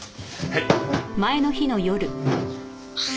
はい！